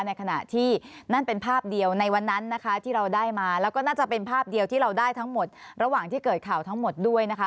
ในขณะที่นั่นเป็นภาพเดียวในวันนั้นนะคะที่เราได้มาแล้วก็น่าจะเป็นภาพเดียวที่เราได้ทั้งหมดระหว่างที่เกิดข่าวทั้งหมดด้วยนะคะ